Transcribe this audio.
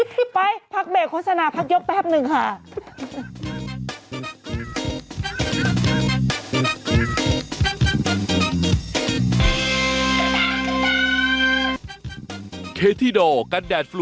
ไปพักเบรกโฆษณาพักยกแป๊บหนึ่งค่ะ